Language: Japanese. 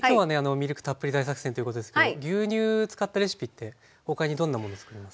「ミルクたっぷり大作戦！」っていうことですけど牛乳使ったレシピって他にどんなものつくるんですか？